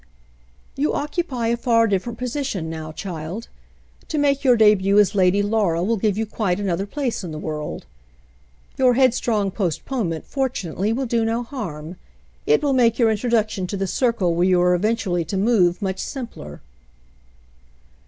"You occupy a far different position now, child. To make your debut as Lady Laura will give you quite an other place in the world. Your headstrong postpone ment, fortunately, will do no harm. It will make your introduction to the circle where you are eventually to move, much simpler."